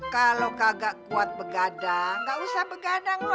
kalau kagak kuat begadang gak usah begadang